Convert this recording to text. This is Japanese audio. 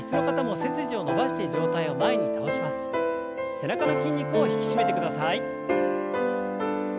背中の筋肉を引き締めてください。